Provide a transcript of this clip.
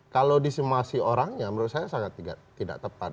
kalau disimasi orangnya menurut saya sangat tidak tepat